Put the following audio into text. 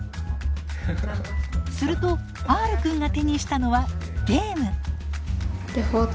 するとＲくんが手にしたのはゲーム。